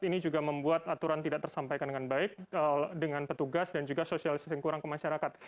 ini juga membuat aturan tidak tersampaikan dengan baik dengan petugas dan juga sosialisasi yang kurang ke masyarakat